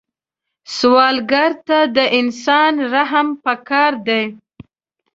سوالګر ته د انسان رحم پکار دی